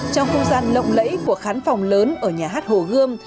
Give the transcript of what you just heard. trong không gian lộng lẫy của khán phòng lớn ở nhà hát hồ gươm